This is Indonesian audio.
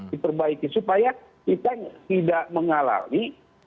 diperbaiki supaya kita tidak mengalami